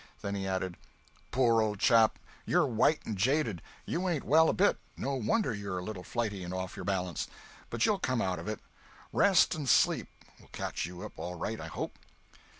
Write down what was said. Then he added: "Poor old chap, you're white and jaded—you ain't well a bit—no wonder you're a little flighty and off your balance. But you'll come out of it. Rest and sleep will fetch you out all right, I hope."